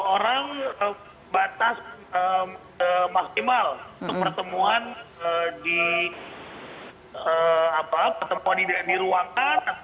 lima puluh orang batas maksimal pertemuan di ruangan